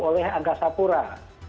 oleh angkasa pura